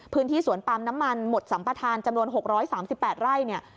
พื้นที่สวนปาล์มน้ำมันหมดสัมปทานจำนวน๖๓๘ไร่เนี่ย